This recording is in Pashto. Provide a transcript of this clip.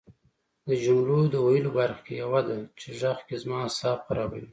د جملو د ویلو برخه کې یوه ده چې غږ کې زما اعصاب خرابوي